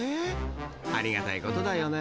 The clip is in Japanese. ありがたいことだよね］